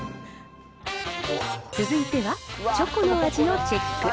続いては、チョコの味のチェック。